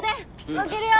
起きるよ！